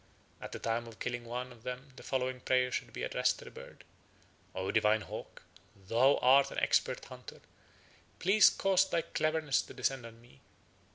At the time of killing one of them the following prayer should be addressed to the bird: "O divine hawk, thou art an expert hunter, please cause thy cleverness to descend on me."